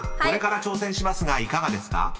これから挑戦しますがいかがですか？］